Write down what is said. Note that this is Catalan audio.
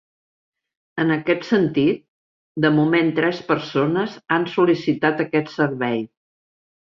En aquest sentit, de moment tres persones han sol·licitat aquest servei.